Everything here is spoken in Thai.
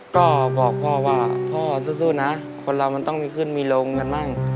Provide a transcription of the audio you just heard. ก็บอกพ่อว่าพ่อสู้นะคนเรามันต้องมีขึ้นมีลงกันมั่ง